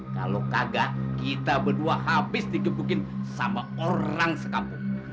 kalau kagak kita berdua habis digebukin sama orang sekampung